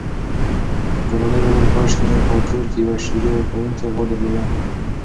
ګلالۍ وویل کاشکې مو په کور کې یوه شیدې ورکوونکې غوا درلودای.